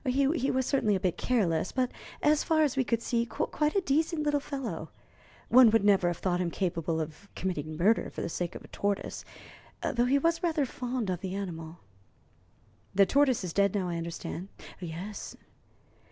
He was certainly a bit careless, but, as far as we could see, quite a decent little fellow. One would never have thought him capable of committing murder for the sake of a tortoise, though he was rather fond of the animal." "The tortoise is dead now, I understand?" "Yes."